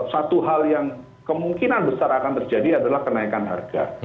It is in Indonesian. satu hal yang kemungkinan besar akan terjadi adalah kenaikan harga